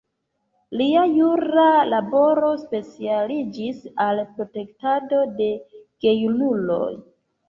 Lia jura laboro specialiĝis al protektado de gejunuloj.